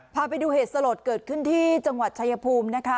พาไปดูเหตุสลดเกิดขึ้นที่จังหวัดชายภูมินะคะ